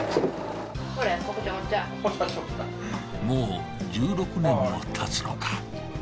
もう１６年も経つのか。